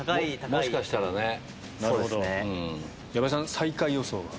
最下位予想は？